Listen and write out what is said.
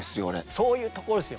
そういうところですよ。